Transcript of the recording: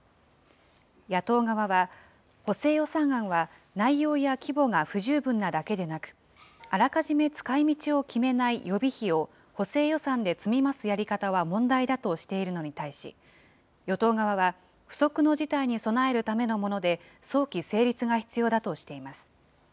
野党側は、補正予算案は内容や規模が不十分なだけでなく、あらかじめ使いみちを決めない予備費を補正予算で積み増すやり方は問題だとしているのに対し、与党側は、不測の事態に備えるためのもので、早期成立が必要だとしています。